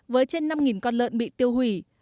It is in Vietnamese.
với trên năm con lợn bị tiêu hủy